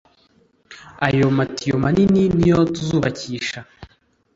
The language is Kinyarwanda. ayo matiyo manini niyo tuzubakisha